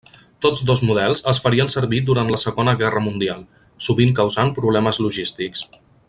Tots dos models es farien servir durant la Segona Guerra Mundial, sovint causant problemes logístics.